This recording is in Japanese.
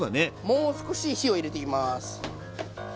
もう少し火を入れていきます。